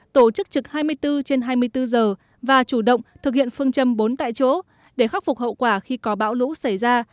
tổ chức trực hai mươi bốn trên hai mươi bốn giờ và chủ động thực hiện phương châm bốn tại chỗ để khắc phục hậu quả khi có bão lũ xảy ra